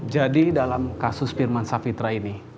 jadi dalam kasus pirman savitra ini